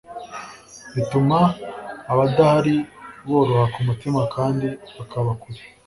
Bituma abadahari boroha kumutima kandi bakaba kure